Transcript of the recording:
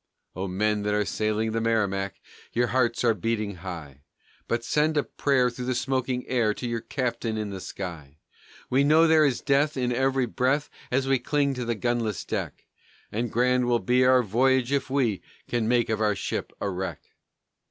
O men that are sailing the Merrimac, Your hearts are beating high; But send a prayer through the smoking air, To your Captain in the sky! "We know there is death in every breath, As we cling to the gunless deck; And grand will be our voyage, if we Can make of our ship a wreck!"